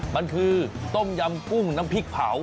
มันคือต้มยำกุ้งน้ำพริกเผา